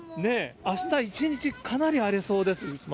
あした１日かなり荒れそうですが。